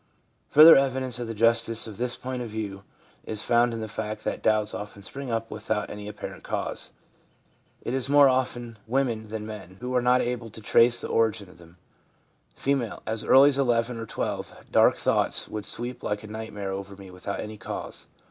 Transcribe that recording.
Further evidence of the justice of this point of view is found in the fact that doubts often spring up without any apparent cause. It is more often women than ADOLESCENCE— DOUBT 235 men who are not able to trace the origin of them. F. 4 As early as 11 or 12 dark thoughts would sweep like a nightmare over me without any cause.